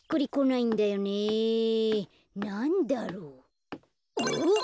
なんだろう？おっ！